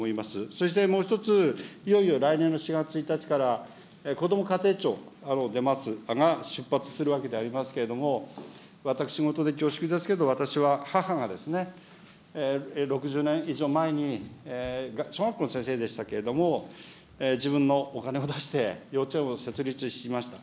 そして、もう１つ、いよいよ来年の４月１日から、こども家庭庁出ますが、出発するわけでありますけれども、私事で恐縮ですけれども、私は母がですね、６０年以上前に小学校の先生でしたけれども、自分のお金を出して、幼稚園を設立しました。